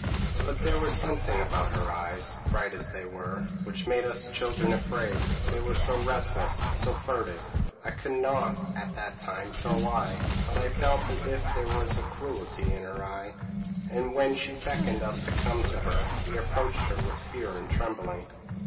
But there was something about her eyes, bright as they were, which made us children afraid; they were so restless, so furtive; I could not at that time tell why, but I felt as if there was cruelty in her eye; and when she beckoned us to come to her, we approached her with fear and trembling.